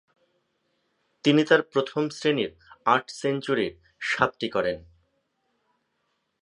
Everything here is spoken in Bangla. তিনি তার প্রথম-শ্রেণীর আট সেঞ্চুরির সাতটি করেন।